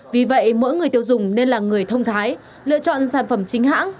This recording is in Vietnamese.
vì vậy mỗi người tiêu dùng nên là người thông thái lựa chọn sản phẩm chính hãng